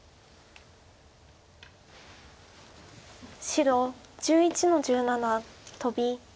白１１の十七トビ。